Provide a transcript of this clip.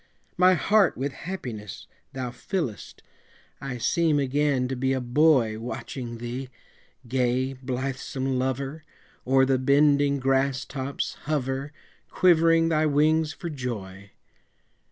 My heart with happiness thou fillest, I seem again to be a boy Watching thee, gay, blithesome lover, O'er the bending grass tops hover, Quivering thy wings for joy.